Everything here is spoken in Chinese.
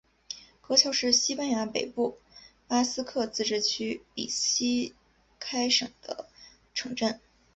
格乔是西班牙北部巴斯克自治区比斯开省的城镇。